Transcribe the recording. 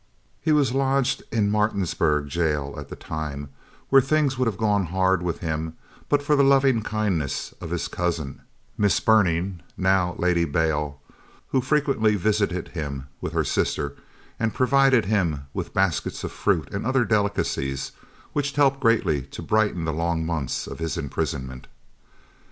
He was lodged in the Maritzburg jail at this time, where things would have gone hard with him, but for the loving kindness of his cousin, Miss Berning, now Lady Bale, who frequently visited him with her sister, and provided him with baskets of fruit and other delicacies, which helped greatly to brighten the long months of his imprisonment.